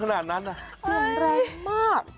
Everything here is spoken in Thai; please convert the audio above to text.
เป็นแรงมาก